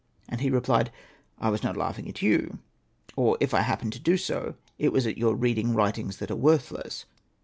' And he replied, ' I was not laughing at you, or if I happened to do so, it was at your reading writings that are worthless.